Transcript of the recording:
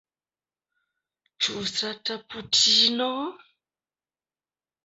Ĉu strata putino?